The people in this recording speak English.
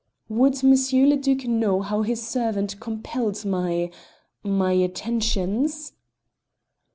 "Would M. le Duc know how his servant compelled my my attentions?"